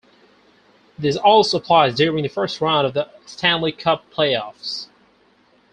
This also applies during the first round of the Stanley Cup playoffs.